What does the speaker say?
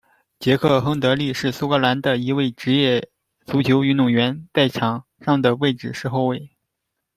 杰克·亨德利是苏格兰的一位职业足球运动员，在场上的位置是后卫。